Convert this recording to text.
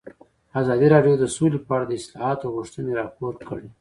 ازادي راډیو د سوله په اړه د اصلاحاتو غوښتنې راپور کړې.